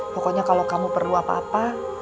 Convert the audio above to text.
pokoknya kalau kamu perlu apa apa